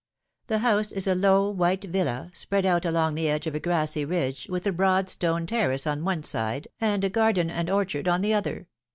The house is a low white villa, spread out along the edge of a grassy ridge, with a broad stone terrace on one side and a garden and orchard on the other.